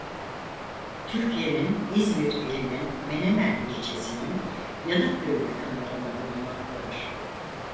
Türkiye'nin İzmir ilinin Menemen ilçesinin Yanıkköy yakınlarında bulunmaktadır.